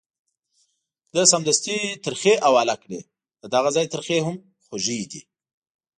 ده سمدستي ترخې حواله کړې، ددغه ځای ترخې هم خوږې دي.